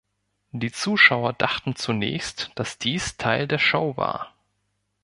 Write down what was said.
Die Zuschauer dachten zunächst, dass dies Teil der Show war.